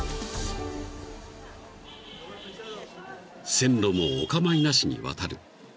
［線路もお構いなしに渡る］